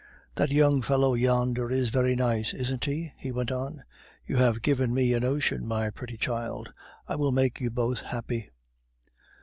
"That young fellow yonder is very nice, isn't he?" he went on. "You have given me a notion, my pretty child; I will make you both happy."